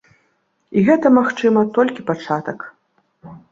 І гэта, магчыма, толькі пачатак.